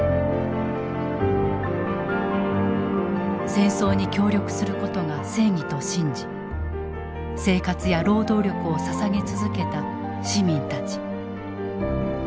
戦争に協力することが正義と信じ生活や労働力をささげ続けた市民たち。